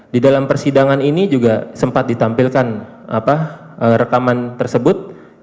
di dalam persidangan ini juga sempat ditampilkan rekaman tersebut